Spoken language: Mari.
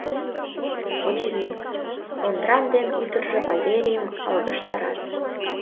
— Очыни, Ондран ден ӱдыржӧ Валерийым алгаштарат.